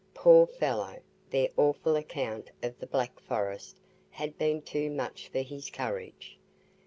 Poor fellow! their awful account of the Black Forest had been too much for his courage.